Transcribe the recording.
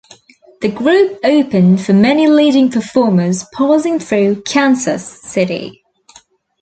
The group opened for many leading performers passing through Kansas City.